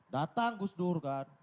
datang gus dur kan